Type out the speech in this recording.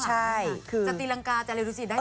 ใช่คือจะตีรังกาจะเรียนรู้สิได้หมด